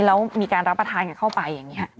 แล้วมีการรับประทานกันเข้าไปอย่างนี้